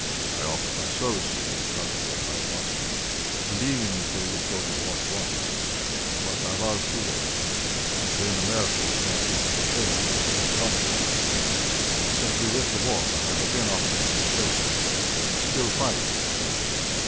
I offered my services to the country of my adoption, believing that they would go to war at once, but I was too old, and then America was not yet prepared for the great conflict. Since we went to war I have again offered my services. I can still fight, young men."